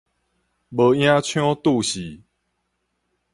無影槍揬死